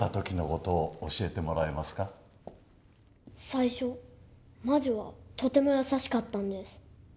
最初魔女はとても優しかったんです。